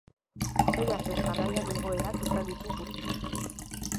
Sei astez jarraian igoerak izan ditu burtsak.